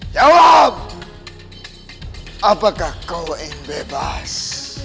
jawab apakah kau ingin bebas